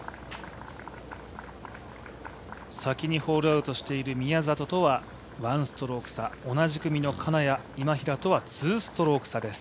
先にホールアウトしている宮里とは１ストローク差、同じ組の金谷、今平とは２ストローク差です。